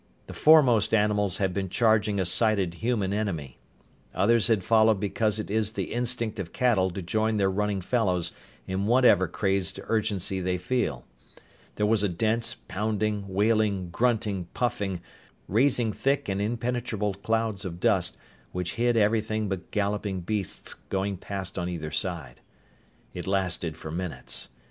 The foremost animals had been charging a sighted human enemy. Others had followed because it is the instinct of cattle to join their running fellows in whatever crazed urgency they feel. There was a dense, pounding, wailing, grunting, puffing, raising thick and impenetrable clouds of dust which hid everything but galloping beasts going past on either side. It lasted for minutes.